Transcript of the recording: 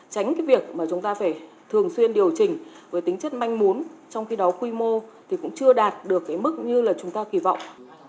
tránh cái việc mà chúng ta phải thường xuyên điều chỉnh với tính chất manh muốn trong khi đó quy mô thì cũng chưa đạt được cái mức như là chúng ta kỳ vọng